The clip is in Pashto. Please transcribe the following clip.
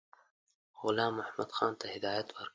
غلام محمدخان ته هدایت ورکړ.